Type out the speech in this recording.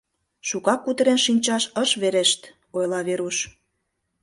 — Шукак кутырен шинчаш ыш верешт, — ойла Веруш.